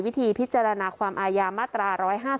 วิธีพิจารณาความอายามาตรา๑๕๗